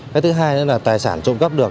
cái thứ hai là tài sản trộm cấp được